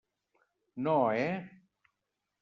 No, eh?